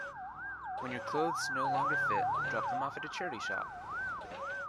When your clothes no longer fit, drop them off at a charity shop.